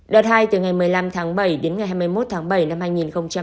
đợt hai từ ngày một mươi năm tháng bảy đến ngày hai mươi một tháng bảy năm hai nghìn hai mươi